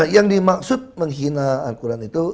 yang dimaksud menghina al quran itu